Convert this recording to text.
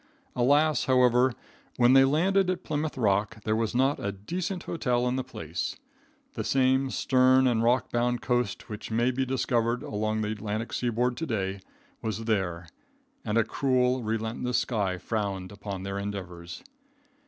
Alas, however, when they landed at Plymouth rock there was not a decent hotel in the place. The same stern and rock bound coast which may be discovered along the Atlantic sea board to day was there, and a cruel, relentless sky frowned upon their endeavors.